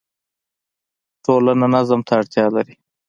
ټولنه نظم ته اړتیا لري.